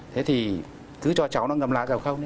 thế thì cứ cho cháu nó ngâm lá cháu không